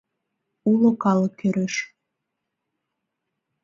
Уло калык ӧреш.